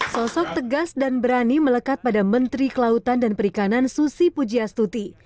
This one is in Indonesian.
sosok tegas dan berani melekat pada menteri kelautan dan perikanan susi pujiastuti